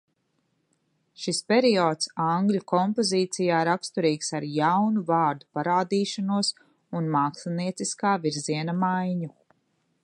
Šis periods angļu kompozīcijā raksturīgs ar jaunu vārdu parādīšanos un mākslinieciskā virziena maiņu.